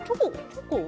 チョコ？